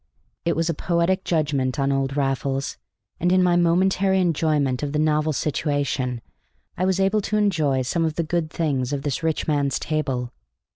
It was a poetic judgment on old Raffles, and in my momentary enjoyment of the novel situation I was able to enjoy some of the good things of this rich man's table.